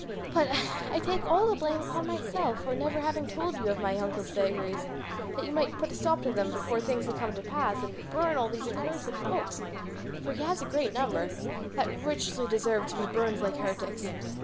But I take all the blame upon myself for never having told your worships of my uncle's vagaries, that you might put a stop to them before things had come to this pass, and burn all these accursed books for he has a great number that richly deserve to be burned like heretics."